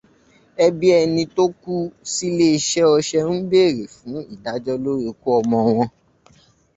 Ẹbi ẹni tó kú síléeṣẹ́ ọṣẹ ń bèèrè fún ìdájọ́ lórí ikú ọmọ wọn.